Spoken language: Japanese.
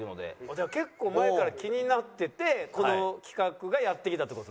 じゃあ結構前から気になっててこの企画がやって来たっていう事ね。